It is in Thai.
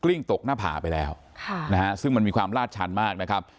ลิ้งตกหน้าผาไปแล้วค่ะนะฮะซึ่งมันมีความลาดชันมากนะครับ